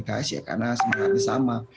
karena semangatnya sama